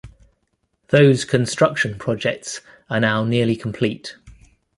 Those construction projects are now nearly complete.